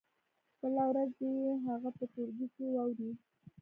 بله ورځ دې يې هغه په ټولګي کې واوروي.